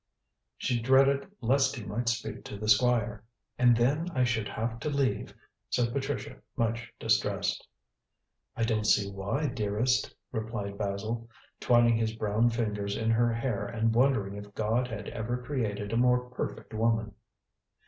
She dreaded lest he might speak to the Squire. "And then I should have to leave," said Patricia, much distressed. "I don't see why, dearest," replied Basil, twining his brown fingers in her hair and wondering if God had ever created a more perfect woman.